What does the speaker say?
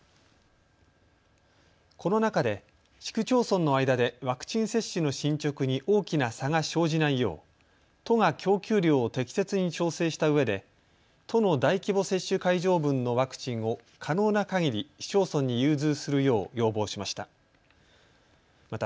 この中で市区町村の間でワクチン接種の進捗に大きな差が生じないよう都が供給量を適切に調整したうえで都の大規模接種会場分のワクチンを可能なかぎり市町村に融通するよう要望しました。